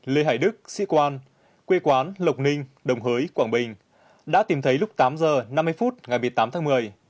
lê hải đức sĩ quan quê quán lộc ninh đồng hới quảng bình đã tìm thấy lúc tám h năm mươi phút ngày một mươi tám tháng một mươi